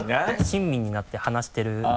親身になって話してる雰囲気で。